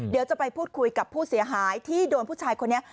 เดี๋ยวจะไปพูดคุยกับผู้เสียหายที่โดนผู้ชายคนนี้